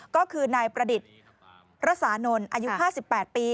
ก็คือนายประดิษฐ์รักษานนท์อายุ๕๘ปี